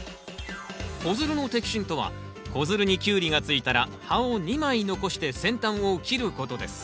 子づるの摘心とは子づるにキュウリがついたら葉を２枚残して先端を切ることです。